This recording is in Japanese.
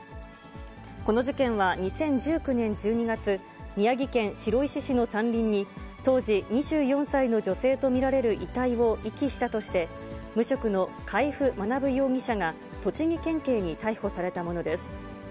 この事件は２０１９年１２月、宮城県白石市の山林に、当時２４歳の女性と見られる遺体を遺棄したとして、無職の海部学容疑者が、栃木県警に逮捕されたものです。